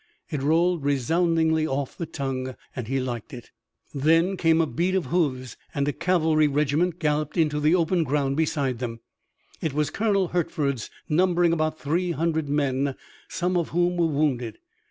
It rolled resoundingly off the tongue, and he liked it. Then came a beat of hoofs and a cavalry regiment galloped into open ground beside them. It was Colonel Hertford's, numbering about three hundred men, some of whom were wounded.